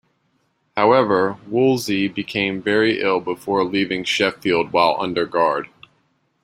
However, Wolsey became very ill before leaving Sheffield while under guard.